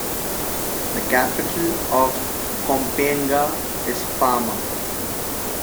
The capital of Kompienga is Pama.